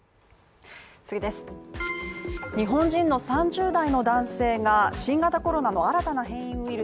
日本人の３０代の男性が新型コロナの新たな変異ウイル